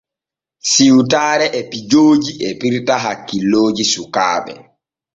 Siwtaare e pijoojo e pirta hakkilooji sukaaɓe.